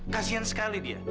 kasian sekali dia